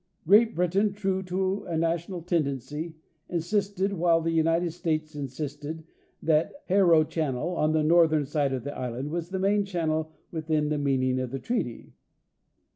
Great Britain, true to a national tendency, insisted while the United States insisted that Haro channel, on the north ern side of the island, was the main channel within the meaning of the treaty.